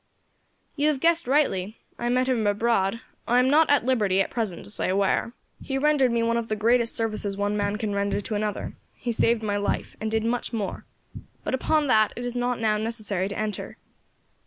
"You have guessed rightly. I met him abroad; I am not at liberty at present to say where. He rendered me one of the greatest services one man can render to another he saved my life, and did much more; but upon that it is not now necessary to enter."